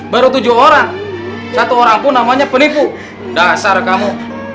baru tujuh orang satu orang pun namanya penipu dasar kamu